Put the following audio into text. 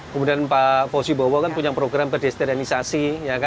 kemudian pak fosy bowo punya program berdesterianisasi